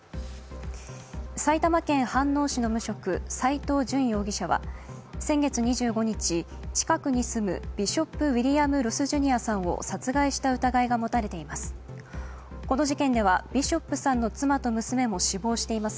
埼玉県飯能市の無職・斉藤淳容疑者は先月２５日、近くに住むビショップ・ウィリアム・ロス・ジュニアさんさんを殺害した疑いが持たれています。